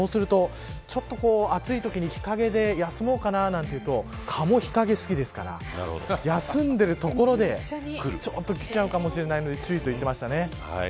そうすると、ちょっと暑いときに日陰で休もうかななんていうと蚊も日陰が好きですから休んでいる所できちゃうかもしれないので。